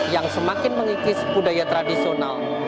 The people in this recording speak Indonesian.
yang semakin mengikis budaya tradisional